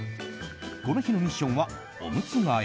この日のミッションはおむつ替え。